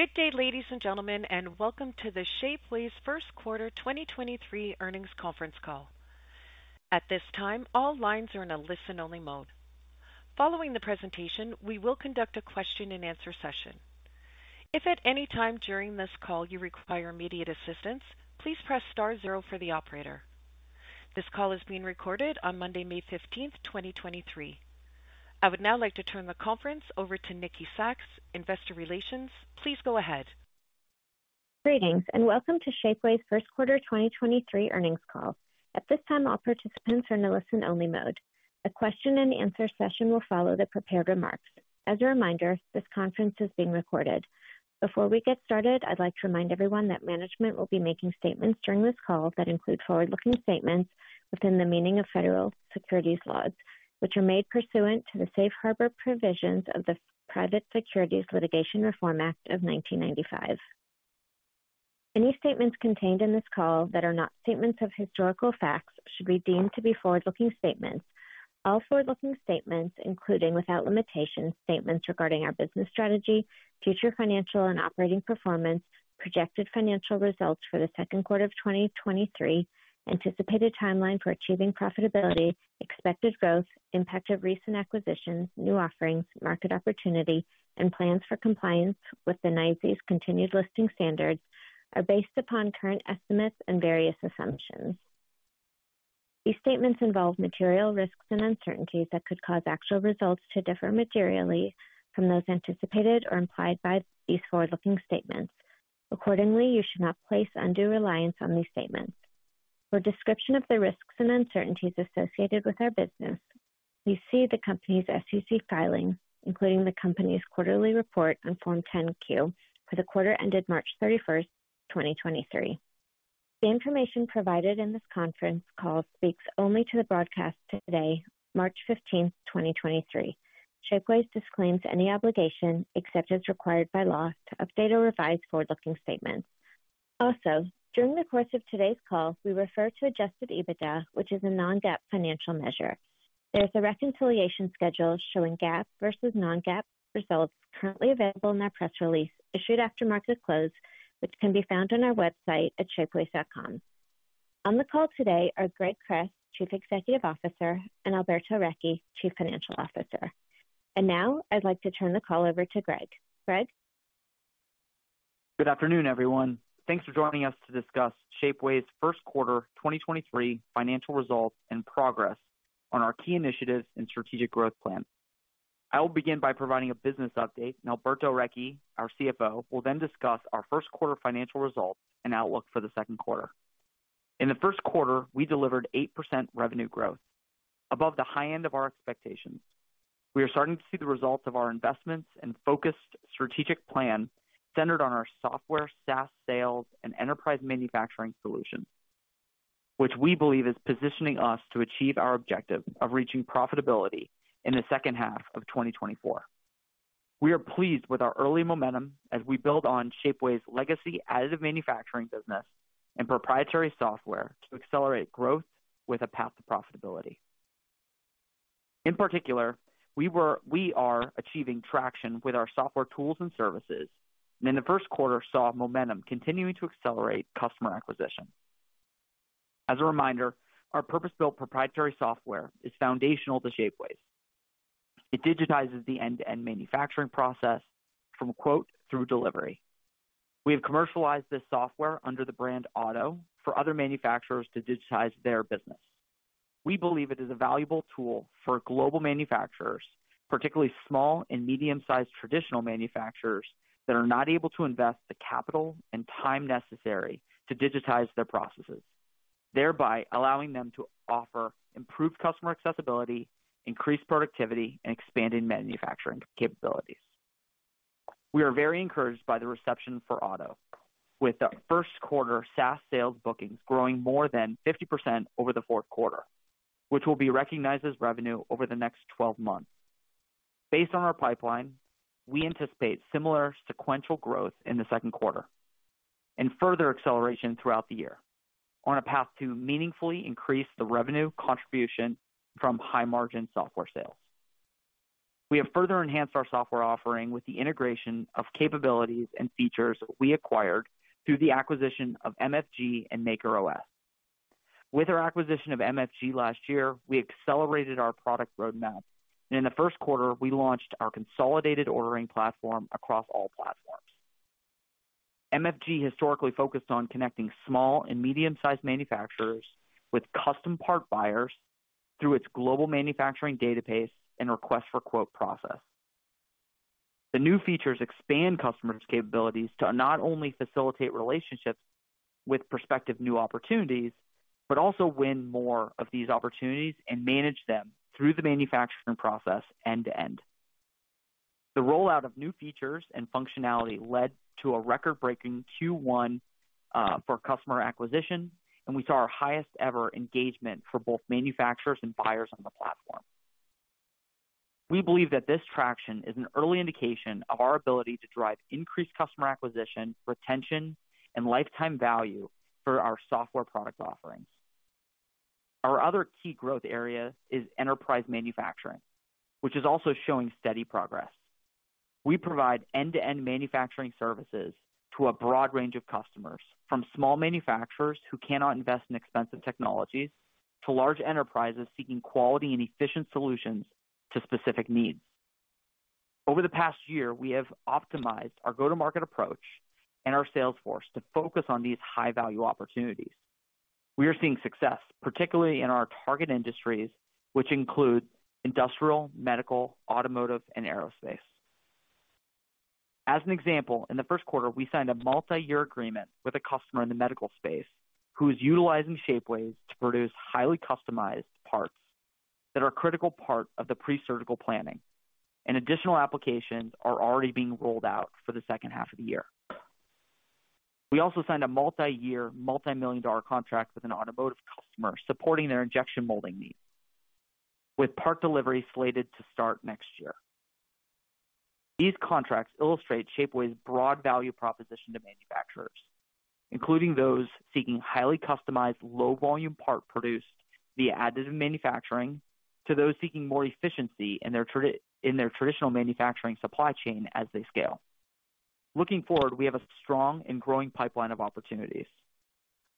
Good day, ladies and gentlemen, and welcome to the Shapeways first quarter 2023 earnings conference call. At this time, all lines are in a listen-only mode. Following the presentation, we will conduct a question-and-answer session. If at any time during this call you require immediate assistance, please press star 0 for the operator. This call is being recorded on Monday, May 15th, 2023. I would now like to turn the conference over to Nikki Sacks, Investor Relations. Please go ahead. Greetings, welcome to Shapeways' first quarter 2023 earnings call. At this time, all participants are in a listen-only mode. A question-and-answer session will follow the prepared remarks. As a reminder, this conference is being recorded. Before we get started, I'd like to remind everyone that management will be making statements during this call that include forward-looking statements within the meaning of federal securities laws, which are made pursuant to the Safe Harbor provisions of the Private Securities Litigation Reform Act of 1995. Any statements contained in this call that are not statements of historical facts should be deemed to be forward-looking statements. All forward-looking statements, including, without limitation, statements regarding our business strategy, future financial and operating performance, projected financial results for the second quarter of 2023, anticipated timeline for achieving profitability, expected growth, impact of recent acquisitions, new offerings, market opportunity, and plans for compliance with the NYSE's continued listing standards, are based upon current estimates and various assumptions. These statements involve material risks and uncertainties that could cause actual results to differ materially from those anticipated or implied by these forward-looking statements. Accordingly, you should not place undue reliance on these statements. For a description of the risks and uncertainties associated with our business, please see the company's SEC filings, including the company's quarterly report on Form 10-Q for the quarter ended March 31st, 2023. The information provided in this conference call speaks only to the broadcast today, March 15th, 2023. Shapeways disclaims any obligation, except as required by law, to update or revise forward-looking statements. Also, during the course of today's call, we refer to adjusted EBITDA, which is a non-GAAP financial measure. There is a reconciliation schedule showing GAAP versus non-GAAP results currently available in our press release issued after market close, which can be found on our website at shapeways.com. On the call today are Greg Kress, Chief Executive Officer, and Alberto Recchi, Chief Financial Officer. Now I'd like to turn the call over to Greg. Greg. Good afternoon, everyone. Thanks for joining us to discuss Shapeways' first quarter 2023 financial results and progress on our key initiatives and strategic growth plan. I will begin by providing a business update. Alberto Recchi, our CFO, will then discuss our first quarter financial results and outlook for the second quarter. In the first quarter, we delivered 8% revenue growth above the high end of our expectations. We are starting to see the results of our investments and focused strategic plan centered on our software, SaaS sales, and enterprise manufacturing solutions, which we believe is positioning us to achieve our objective of reaching profitability in the second half of 2024. We are pleased with our early momentum as we build on Shapeways' legacy additive manufacturing business and proprietary software to accelerate growth with a path to profitability. In particular, we are achieving traction with our software tools and services, and in the first quarter saw momentum continuing to accelerate customer acquisition. As a reminder, our purpose-built proprietary software is foundational to Shapeways. It digitizes the end-to-end manufacturing process from quote through delivery. We have commercialized this software under the brand Otto for other manufacturers to digitize their business. We believe it is a valuable tool for global manufacturers, particularly small and medium-sized traditional manufacturers that are not able to invest the capital and time necessary to digitize their processes, thereby allowing them to offer improved customer accessibility, increased productivity, and expanded manufacturing capabilities. We are very encouraged by the reception for Otto, with our first quarter SaaS sales bookings growing more than 50% over the fourth quarter, which will be recognized as revenue over the next 12 months. Based on our pipeline, we anticipate similar sequential growth in the second quarter and further acceleration throughout the year on a path to meaningfully increase the revenue contribution from high-margin software sales. We have further enhanced our software offering with the integration of capabilities and features we acquired through the acquisition of MFG and MakerOS. With our acquisition of MFG last year, we accelerated our product roadmap, and in the first quarter, we launched our consolidated ordering platform across all platforms. MFG historically focused on connecting small and medium-sized manufacturers with custom part buyers through its global manufacturing database and request for quote process. The new features expand customers' capabilities to not only facilitate relationships with prospective new opportunities, but also win more of these opportunities and manage them through the manufacturing process end to end. The rollout of new features and functionality led to a record-breaking Q1 for customer acquisition. We saw our highest ever engagement for both manufacturers and buyers on the platform. We believe that this traction is an early indication of our ability to drive increased customer acquisition, retention, and lifetime value for our software product offerings. Our other key growth area is enterprise manufacturing, which is also showing steady progress. We provide end-to-end manufacturing services to a broad range of customers, from small manufacturers who cannot invest in expensive technologies, to large enterprises seeking quality and efficient solutions to specific needs. Over the past year, we have optimized our go-to-market approach and our sales force to focus on these high-value opportunities. We are seeing success, particularly in our target industries, which include industrial, medical, automotive, and aerospace. As an example, in the first quarter, we signed a multi-year agreement with a customer in the medical space who is utilizing Shapeways to produce highly customized parts that are a critical part of the pre-surgical planning. Additional applications are already being rolled out for the second half of the year. We also signed a multi-year, multi-million dollar contract with an automotive customer supporting their injection molding needs, with part delivery slated to start next year. These contracts illustrate Shapeways' broad value proposition to manufacturers, including those seeking highly customized, low volume part produced via additive manufacturing to those seeking more efficiency in their traditional manufacturing supply chain as they scale. Looking forward, we have a strong and growing pipeline of opportunities.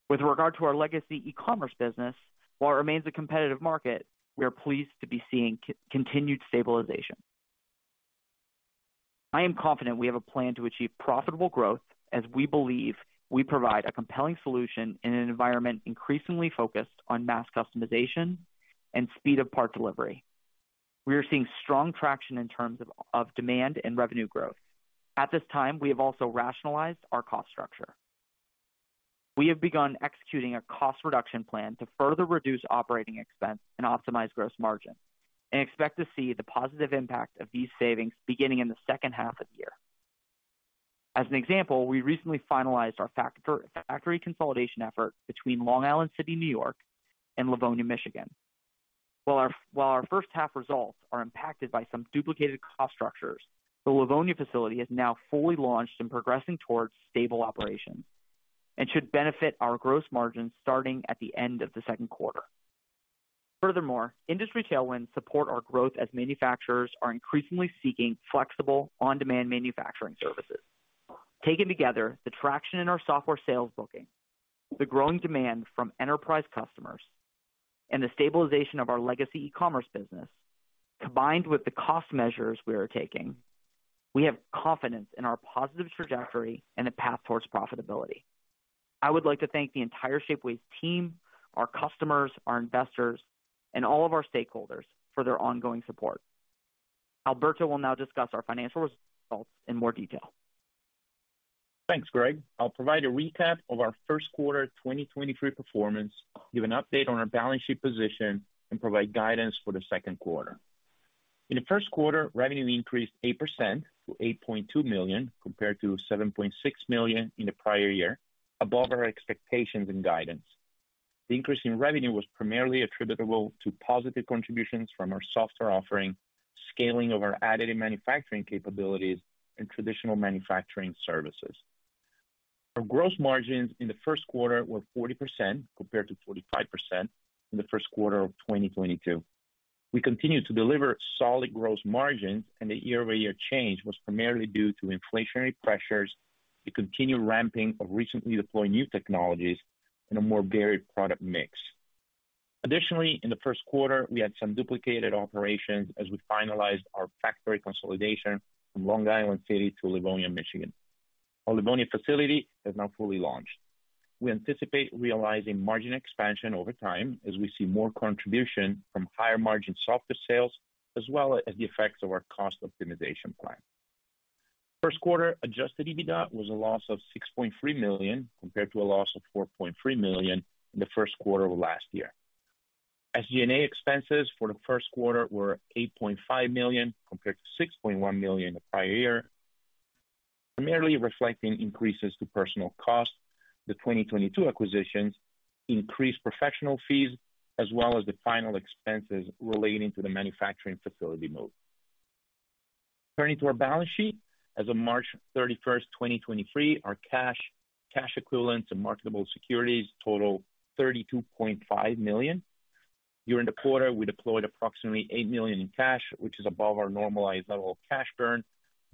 With regard to our legacy e-commerce business, while it remains a competitive market, we are pleased to be seeing continued stabilization. I am confident we have a plan to achieve profitable growth as we believe we provide a compelling solution in an environment increasingly focused on mass customization and speed of part delivery. We are seeing strong traction in terms of demand and revenue growth. At this time, we have also rationalized our cost structure. We have begun executing a cost reduction plan to further reduce operating expense and optimize gross margin and expect to see the positive impact of these savings beginning in the second half of the year. As an example, we recently finalized our factory consolidation effort between Long Island City, New York, and Livonia, Michigan. While our first half results are impacted by some duplicated cost structures, the Livonia facility has now fully launched and progressing towards stable operations and should benefit our gross margins starting at the end of the second quarter. Furthermore, industry tailwinds support our growth as manufacturers are increasingly seeking flexible on-demand manufacturing services. Taken together, the traction in our software sales booking, the growing demand from enterprise customers, and the stabilization of our legacy e-commerce business, combined with the cost measures we are taking, we have confidence in our positive trajectory and the path towards profitability. I would like to thank the entire Shapeways team, our customers, our investors, and all of our stakeholders for their ongoing support. Alberto will now discuss our financial results in more detail. Thanks, Greg. I'll provide a recap of our first quarter 2023 performance, give an update on our balance sheet position, and provide guidance for the second quarter. In the first quarter, revenue increased 8% to $8.2 million, compared to $7.6 million in the prior year, above our expectations and guidance. The increase in revenue was primarily attributable to positive contributions from our software offering, scaling of our additive manufacturing capabilities, and traditional manufacturing services. Our gross margins in the first quarter were 40%, compared to 45% in the first quarter of 2022. We continued to deliver solid gross margins, and the year-over-year change was primarily due to inflationary pressures, the continued ramping of recently deployed new technologies, and a more varied product mix. Additionally, in the first quarter, we had some duplicated operations as we finalized our factory consolidation from Long Island City to Livonia, Michigan. Our Livonia facility has now fully launched. We anticipate realizing margin expansion over time as we see more contribution from higher margin software sales, as well as the effects of our cost optimization plan. First quarter adjusted EBITDA was a loss of $6.3 million, compared to a loss of $4.3 million in the first quarter of last year. SG&A expenses for the first quarter were $8.5 million, compared to $6.1 million the prior year, primarily reflecting increases to personnel costs, the 2022 acquisitions, increased professional fees, as well as the final expenses relating to the manufacturing facility move. Turning to our balance sheet, as of March 31st, 2023, our cash equivalents and marketable securities total $32.5 million. During the quarter, we deployed approximately $8 million in cash, which is above our normalized level of cash burn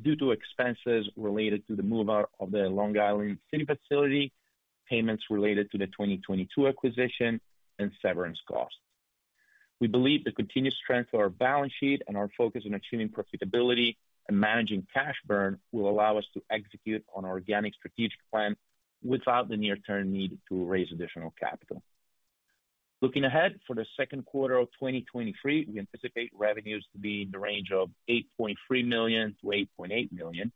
due to expenses related to the move out of the Long Island City facility, payments related to the 2022 acquisition, and severance costs. We believe the continuous strength of our balance sheet and our focus on achieving profitability and managing cash burn will allow us to execute on our organic strategic plan without the near-term need to raise additional capital. Looking ahead, for the second quarter of 2023, we anticipate revenues to be in the range of $8.3 million-$8.8 million.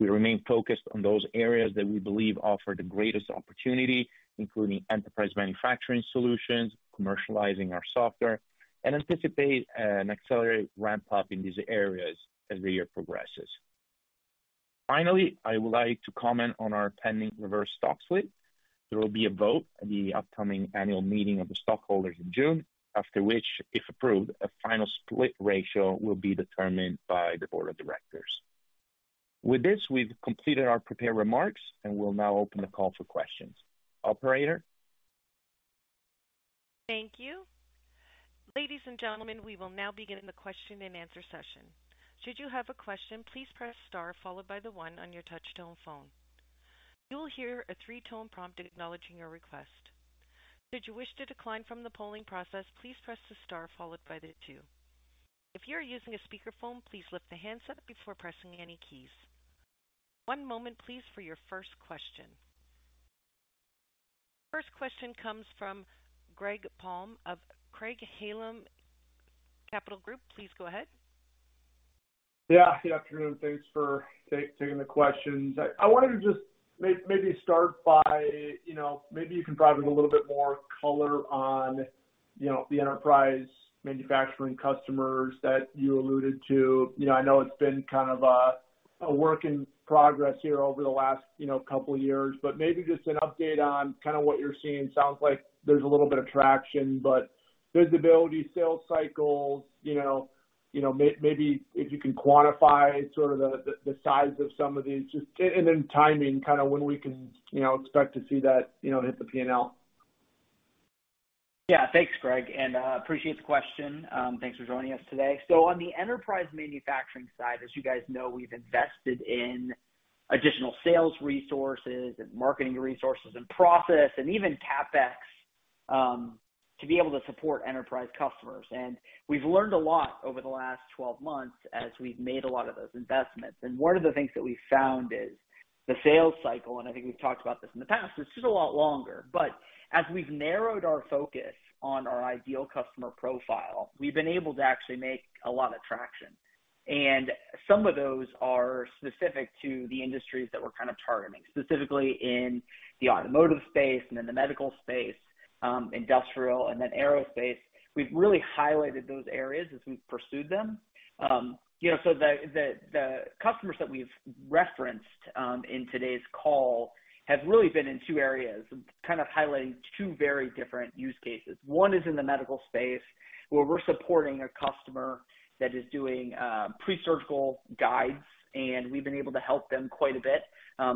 We remain focused on those areas that we believe offer the greatest opportunity, including enterprise manufacturing solutions, commercializing our software, and anticipate an accelerated ramp up in these areas as the year progresses. Finally, I would like to comment on our pending reverse stock split. There will be a vote at the upcoming annual meeting of the stockholders in June, after which, if approved, a final split ratio will be determined by the board of directors. With this, we've completed our prepared remarks, and we'll now open the call for questions. Operator? Thank you. Ladies and gentlemen, we will now begin the question-and-answer session. Should you have a question, please press star followed by the one on your touchtone phone. You will hear a three-tone prompt acknowledging your request. Should you wish to decline from the polling process, please press the star followed by the two. If you are using a speakerphone, please lift the handset before pressing any keys. One moment please for your first question. First question comes from Greg Palm of Craig-Hallum Capital Group. Please go ahead. Yeah, good afternoon. Thanks for taking the questions. I wanted to just maybe start by, you know, maybe you can provide me a little bit more color on, you know, the enterprise manufacturing customers that you alluded to. You know, I know it's been kind of a work in progress here over the last, you know, couple years, but maybe just an update on kind of what you're seeing. Sounds like there's a little bit of traction, but visibility, sales cycles, you know, maybe if you can quantify sort of the size of some of these, just. Then timing, kind of when we can, you know, expect to see that, you know, hit the P&L. Thanks, Greg, appreciate the question. Thanks for joining us today. On the enterprise manufacturing side, as you guys know, we've invested in additional sales resources and marketing resources and process and even CapEx to be able to support enterprise customers. We've learned a lot over the last 12 months as we've made a lot of those investments. One of the things that we've found is the sales cycle, and I think we've talked about this in the past, it's just a lot longer. As we've narrowed our focus on our ideal customer profile, we've been able to actually make a lot of traction. Some of those are specific to the industries that we're kind of targeting, specifically in the automotive space and in the medical space, industrial, and then aerospace. We've really highlighted those areas as we've pursued them. You know, so the customers that we've referenced in today's call have really been in two areas, kind of highlighting two very different use cases. One is in the medical space, where we're supporting a customer that is doing pre-surgical guides, and we've been able to help them quite a bit.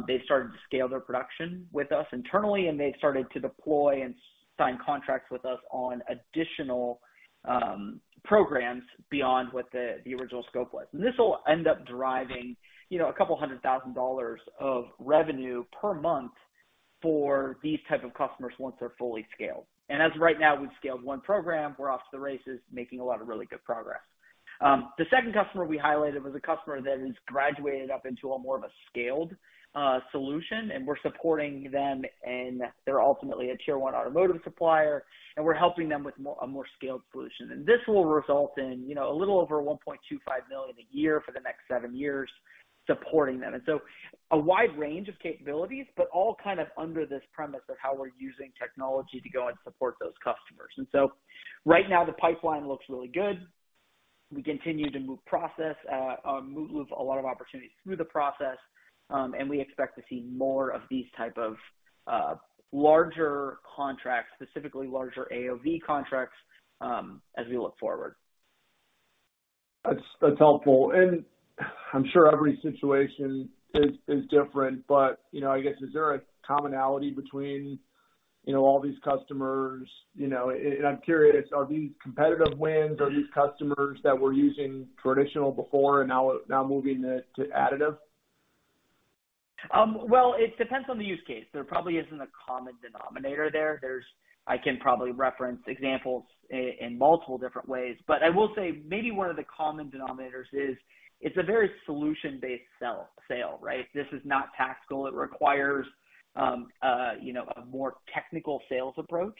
They've started to scale their production with us internally, and they've started to deploy and sign contracts with us on additional programs beyond what the original scope was. This will end up driving, you know, a couple hundred thousand dollars of revenue per month for these type of customers once they're fully scaled. As of right now, we've scaled one program. We're off to the races, making a lot of really good progress. The second customer we highlighted was a customer that has graduated up into a more of a scaled solution, we're supporting them, they're ultimately a tier one automotive supplier, we're helping them with a more scaled solution. This will result in, you know, a little over $1.25 million a year for the next seven years supporting them. A wide range of capabilities, but all kind of under this premise of how we're using technology to go and support those customers. Right now the pipeline looks really good. We continue to move process, move a lot of opportunities through the process, we expect to see more of these type of larger contracts, specifically larger AOV contracts, as we look forward. That's helpful. I'm sure every situation is different, but, you know, I guess, is there a commonality between, you know, all these customers? You know, and I'm curious, are these competitive wins? Are these customers that were using traditional before and now moving to additive? Well, it depends on the use case. There probably isn't a common denominator there. There's. I can probably reference examples in multiple different ways, but I will say maybe one of the common denominators is it's a very solution-based sell, sale, right? This is not tactical. It requires, you know, a more technical sales approach.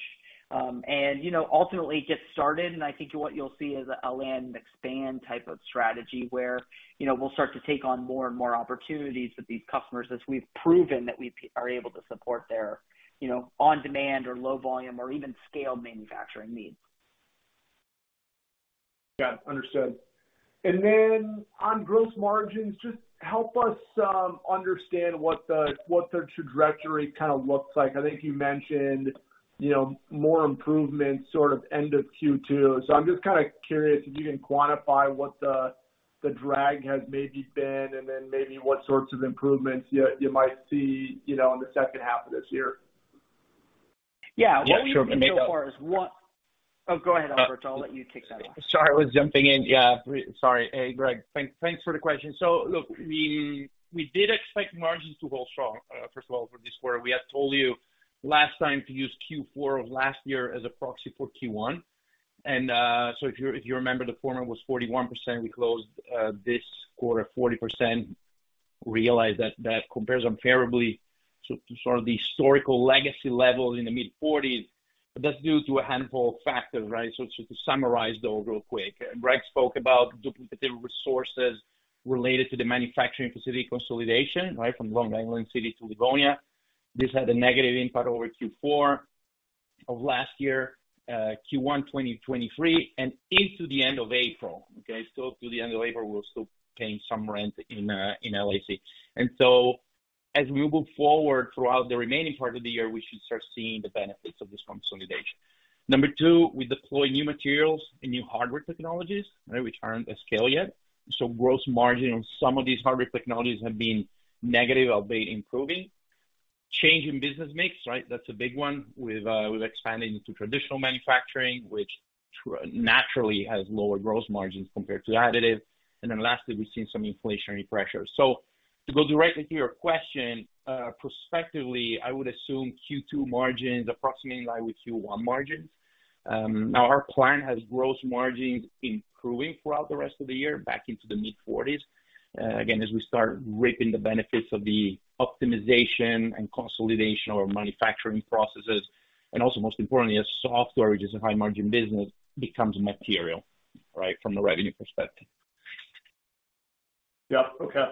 You know, ultimately get started, and I think what you'll see is a land and expand type of strategy where, you know, we'll start to take on more and more opportunities with these customers as we've proven that we are able to support their, you know, on-demand or low volume or even scaled manufacturing needs. Yeah, understood. On gross margins, just help us understand what the trajectory kind of looks like. I think you mentioned, you know, more improvements sort of end of Q2. I'm just kind of curious if you can quantify what the drag has maybe been and then maybe what sorts of improvements you might see, you know, in the second half of this year? Yeah. What we've seen so far is one- Yeah, sure. Oh, go ahead, Alberto. I'll let you kick that off. Sorry, I was jumping in. Yeah. Sorry. Hey, Greg, thanks for the question. Look, we did expect margins to hold strong, first of all, for this quarter. We had told you last time to use Q4 of last year as a proxy for Q1. If you remember, the former was 41%. We closed this quarter 40%. Realize that that compares unfavorably to sort of the historical legacy levels in the mid-forties, but that's due to a handful of factors, right? To summarize those real quick, Greg spoke about duplicative resources related to the manufacturing facility consolidation, right, from Long Island City to Livonia. This had a negative impact over Q4 of last year, Q1 2023, and into the end of April, okay? through the end of April, we're still paying some rent in LIC. As we move forward throughout the remaining part of the year, we should start seeing the benefits of this consolidation. Number two, we deploy new materials and new hardware technologies, right, which aren't at scale yet. Gross margin on some of these hardware technologies have been negative, albeit improving. Change in business mix, right? That's a big one. We've, we've expanded into traditional manufacturing, which naturally has lower gross margins compared to additive. Lastly, we've seen some inflationary pressures. To go directly to your question, perspectively, I would assume Q2 margins approximately in line with Q1 margins. Now our plan has gross margins improving throughout the rest of the year back into the mid-forties, again, as we start reaping the benefits of the optimization and consolidation of our manufacturing processes, and also most importantly, as software, which is a high margin business, becomes material, right, from a revenue perspective. Yeah. Okay.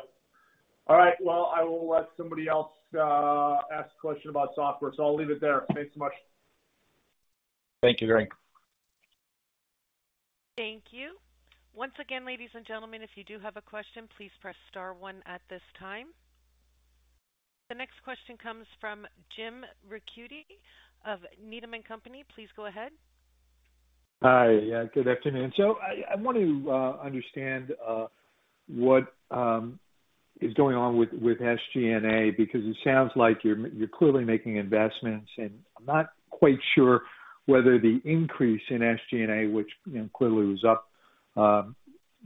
All right, well, I will let somebody else, ask a question about software, so I'll leave it there. Thanks so much. Thank you, Darren. Thank you. Once again, ladies and gentlemen, if you do have a question, please press star one at this time. The next question comes from Jim Ricchiuti of Needham & Company. Please go ahead. Hi. Yeah, good afternoon. I want to understand what is going on with SG&A, because it sounds like you're clearly making investments, and I'm not quite sure whether the increase in SG&A, which, you know, clearly was up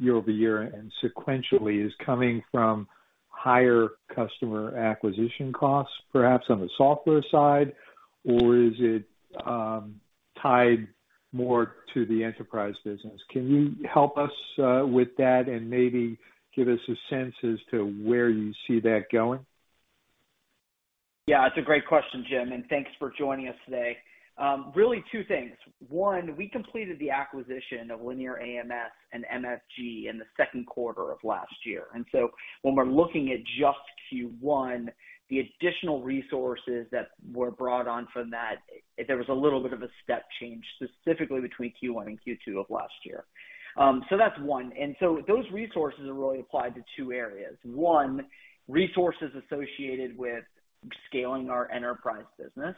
year-over-year and sequentially, is coming from higher customer acquisition costs, perhaps on the software side? Or is it tied more to the enterprise business? Can you help us with that and maybe give us a sense as to where you see that going? Yeah, it's a great question, Jim. Thanks for joining us today. Really two things. One, we completed the acquisition of Linear AMS and MFG in the second quarter of last year. When we're looking at just Q1, the additional resources that were brought on from that, there was a little bit of a step change specifically between Q1 and Q2 of last year. That's one. Those resources are really applied to two areas. One, resources associated with scaling our enterprise business.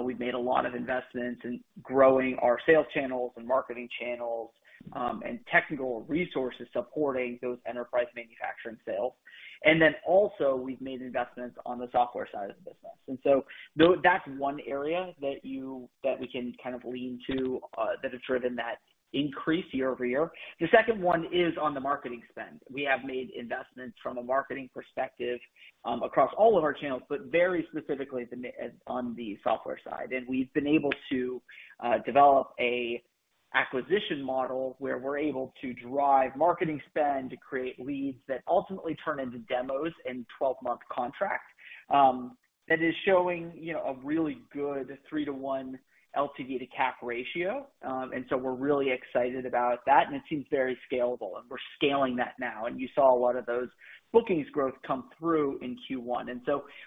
We've made a lot of investments in growing our sales channels and marketing channels and technical resources supporting those enterprise manufacturing sales. Also we've made investments on the software side of the business. That's one area that we can kind of lean to that has driven that increase year-over-year. The second one is on the marketing spend. We have made investments from a marketing perspective, across all of our channels, but very specifically on the software side. We've been able to develop a acquisition model where we're able to drive marketing spend to create leads that ultimately turn into demos and 12-month contracts, that is showing, you know, a really good three-to-one LTV to CAC ratio. We're really excited about that, and it seems very scalable, and we're scaling that now. You saw a lot of those bookings growth come through in Q1.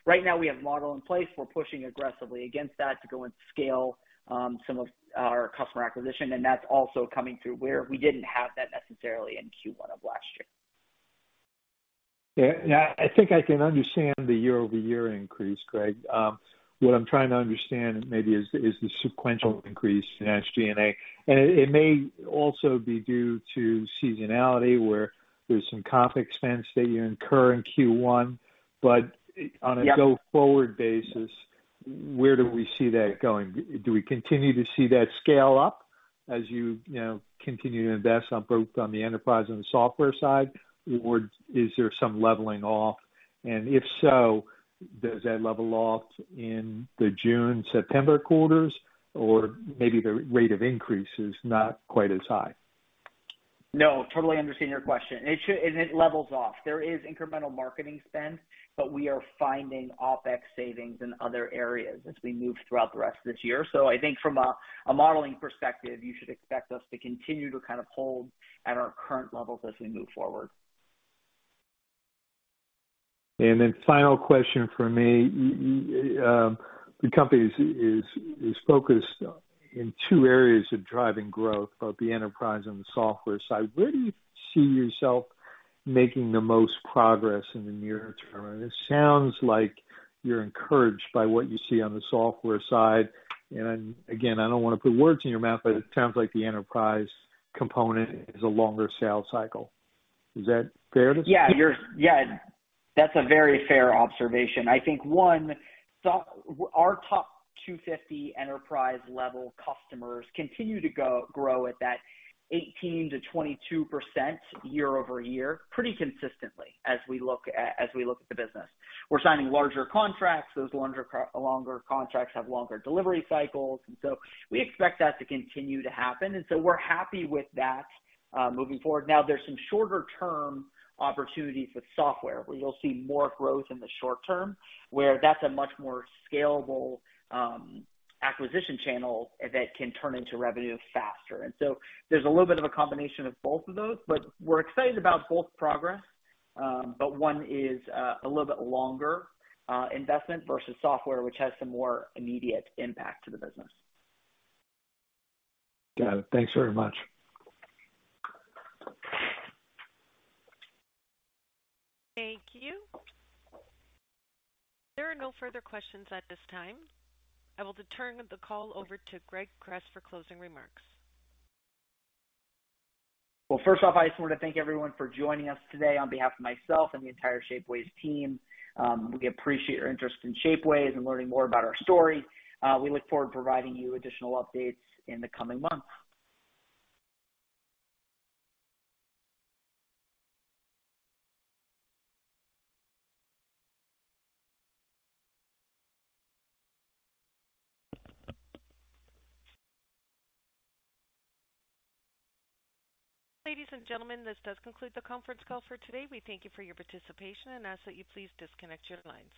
Right now we have model in place. We're pushing aggressively against that to go and scale some of our customer acquisition, and that's also coming through where we didn't have that necessarily in Q1 of last year. Yeah. I think I can understand the year-over-year increase, Greg. What I'm trying to understand maybe is the sequential increase in SG&A. It may also be due to seasonality, where there's some comp expense that you incur in Q1. Yeah. On a go forward basis, where do we see that going? Do we continue to see that scale up as you know, continue to invest on both on the enterprise and the software side, or is there some leveling off? If so, does that level off in the June, September quarters? Maybe the rate of increase is not quite as high. No, totally understand your question. It levels off. There is incremental marketing spend, but we are finding OpEx savings in other areas as we move throughout the rest of this year. I think from a modeling perspective, you should expect us to continue to kind of hold at our current levels as we move forward. Final question for me. You, the company is focused in two areas of driving growth, both the enterprise and the software side. Where do you see yourself making the most progress in the near term? It sounds like you're encouraged by what you see on the software side. I don't want to put words in your mouth, it sounds like the enterprise component is a longer sales cycle. Is that fair to say? That's a very fair observation. Our top 250 enterprise-level customers continue to grow at that 18%-22% year-over-year pretty consistently as we look at the business. We're signing larger contracts. Those longer contracts have longer delivery cycles, we expect that to continue to happen, we're happy with that moving forward. There's some shorter term opportunities with software where you'll see more growth in the short term, where that's a much more scalable acquisition channel that can turn into revenue faster. There's a little bit of a combination of both of those, but we're excited about both progress. One is a little bit longer investment versus software, which has some more immediate impact to the business. Got it. Thanks very much. Thank you. There are no further questions at this time. I will turn the call over to Greg Kress for closing remarks. Well, first off, I just want to thank everyone for joining us today on behalf of myself and the entire Shapeways team. We appreciate your interest in Shapeways and learning more about our story. We look forward to providing you additional updates in the coming months. Ladies and gentlemen, this does conclude the conference call for today. We thank you for your participation and ask that you please disconnect your lines.